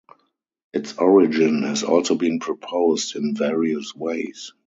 Its origin has also been proposed in various ways.